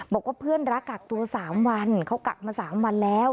บอกว่าเพื่อนรักกักตัว๓วันเขากลับมา๓วันแล้ว